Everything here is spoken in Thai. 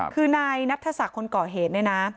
คือในนัทธสักษ์คนก่อเหตุเนี่ยนะ